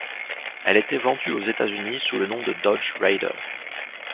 Elle était vendue aux Etats-Unis sous le nom de Dodge Raider.